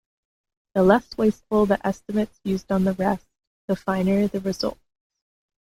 The less wasteful the estimates used on the rest, the finer the results.